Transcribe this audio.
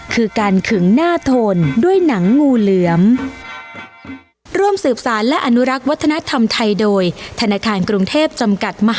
คือการขึงหน้าโทนด้วยหนังงูเหลือม